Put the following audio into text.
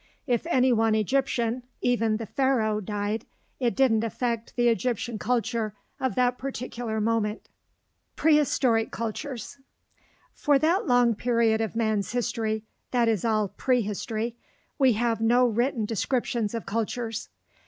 If any one Egyptian, even the Pharaoh, died, it didn't affect the Egyptian culture of that particular moment. PREHISTORIC CULTURES For that long period of man's history that is all prehistory, we have no written descriptions of cultures.